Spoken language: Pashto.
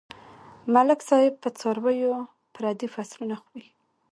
ملک صاحب په څارويو پردي فصلونه خوري.